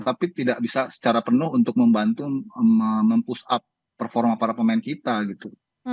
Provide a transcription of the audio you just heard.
tapi tidak bisa secara penuh untuk membantu mempush up performa para pemain kita gitu